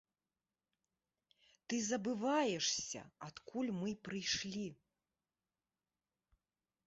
Ты забываешся, адкуль мы прыйшлі.